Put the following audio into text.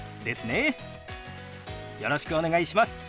よろしくお願いします。